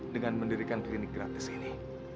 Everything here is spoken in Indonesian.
dengan mendirikan klinik gratis ini